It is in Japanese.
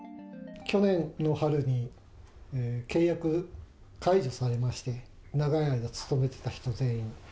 去年の春に契約を解除されまして、長い間勤めてた人全員。